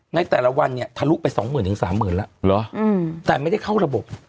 ในแต่ละวันเนี่ยทะลุไปสองหมื่นถึงสามหมื่นแล้วเหรอแต่ไม่ได้เข้าระบบ